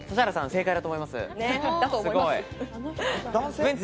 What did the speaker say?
正解だと思います。